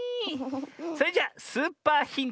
それじゃスーパーヒント！